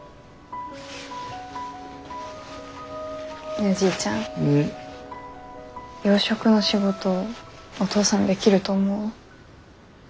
ねえおじいちゃん養殖の仕事お父さんできると思う？